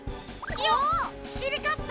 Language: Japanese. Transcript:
いよっしりかっぱ！